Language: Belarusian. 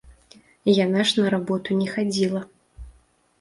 Яна ж на работу не хадзіла.